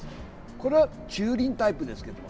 これは中輪タイプですけども。